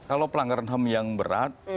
kalau pelanggaran ham yang berat